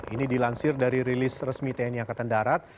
ini dilansir dari rilis resmi tni angkatan darat